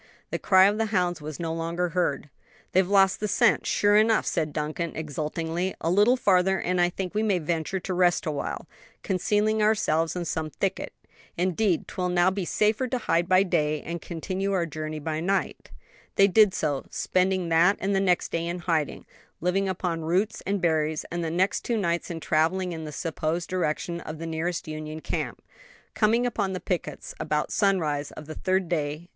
The cry of the hounds was no longer heard. "They've lost the scent, sure enough," said Duncan, exultingly; "a little farther and I think we may venture to rest awhile, concealing ourselves in some thicket. Indeed 'twill now be safer to hide by day, and continue our journey by night." They did so, spending that and the next day in hiding, living upon roots and berries, and the next two nights in traveling in the supposed direction of the nearest Union camp, coming upon the pickets about sunrise of the third day.